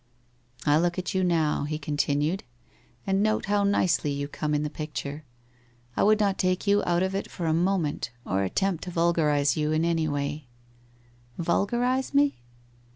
' I look at you now,' he continued, ' and note how nicely you come in the picture. I would not take you out of it for a moment or attempt to vulgarize you in any way/ ' Vulgarize me